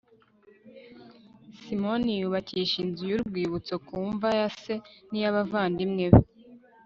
simoni yubakisha inzu y'urwibutso ku mva ya se n'iy'abavandimwe be